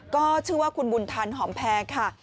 ก็ชื่อว่าคุณบุญทันหอมแพรค่ะ